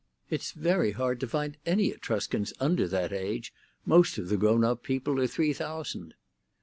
"It's very hard to find any Etruscans under that age; most of the grown up people are three thousand."